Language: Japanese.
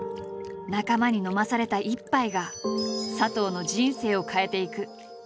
仲間に飲まされた一杯が佐藤の人生を変えていく。